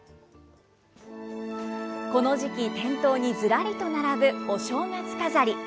この時期、店頭にずらりと並ぶお正月飾り。